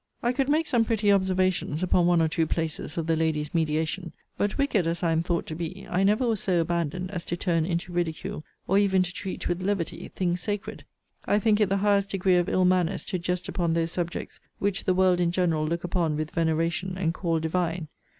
I could make some pretty observations upon one or two places of the lady's mediation: but, wicked as I am thought to be, I never was so abandoned as to turn into ridicule, or even to treat with levity, things sacred. I think it the highest degree of ill manners to jest upon those subjects which the world in general look upon with veneration, and call divine.